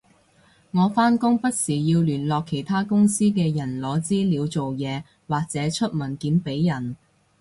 我返工不時要聯絡其他公司嘅人攞資料做嘢或者出文件畀人